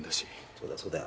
そうだそうだ。